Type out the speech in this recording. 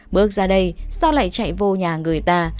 bước ra đây sao lại chạy vô nhà người ta